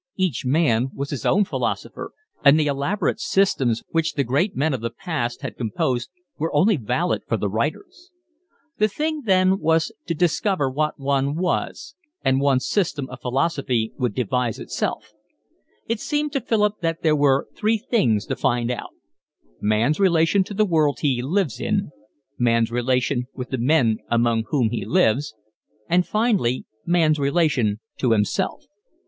Each man was his own philosopher, and the elaborate systems which the great men of the past had composed were only valid for the writers. The thing then was to discover what one was and one's system of philosophy would devise itself. It seemed to Philip that there were three things to find out: man's relation to the world he lives in, man's relation with the men among whom he lives, and finally man's relation to himself.